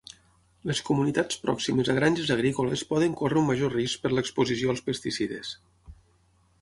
Les comunitats pròximes a granges agrícoles poden córrer un major risc per l'exposició als pesticides.